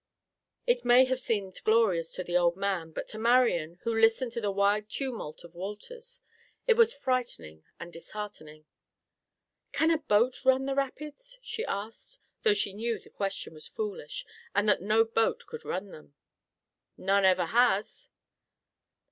It may have seemed glorious to the old man, but to Marian, who listened to the wild tumult of waters, it was frightening and disheartening. "Can a boat run the rapids?" she asked, though she knew the question was foolish and that no boat could run them. "None ever has."